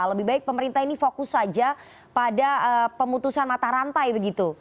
lebih baik pemerintah ini fokus saja pada pemutusan mata rantai begitu